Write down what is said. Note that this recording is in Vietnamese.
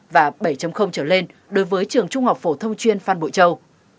và bảy trở lên đối với trường trung học phổ thông chuyên phan bội châu